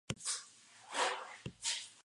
Pero el esfuerzo, le cuesta la vida.